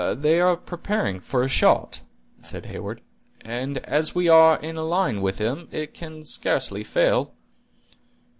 "They are preparing for a shot," said Heyward; "and as we are in a line with them, it can scarcely fail."